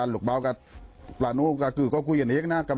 ลูกบาลกับพลานมงี้ก็คือกจะคุยอันนี้นะคะ